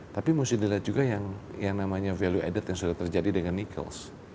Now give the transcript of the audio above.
tapi mesti dilihat juga yang namanya value added yang sudah terjadi dengan nickels